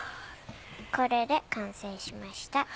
これで完成しました。